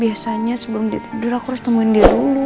biasanya sebelum tidur aku harus temuin dia dulu